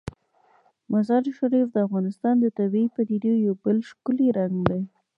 مزارشریف د افغانستان د طبیعي پدیدو یو بل ښکلی رنګ دی.